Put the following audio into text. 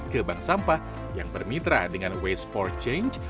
ke bank sampah yang bermitra dengan waste for change